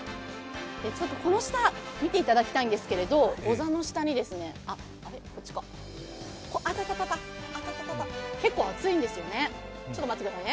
この下、見ていただきたいんですけれども、ござの下に結構熱いんですよね。